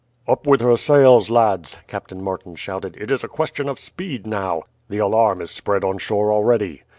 "Up with her sails, lads!" Captain Martin shouted; "it is a question of speed now. The alarm is spread on shore already."